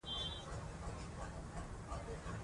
خدمت د ټولنیز نظم پیاوړتیا ده.